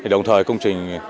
đồng thời công trình